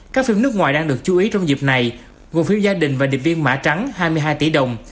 các phim nước ngoài đang được chú ý trong dịp này gồm phim gia đình và điệp viên mã trắng hai mươi hai tỷ đồng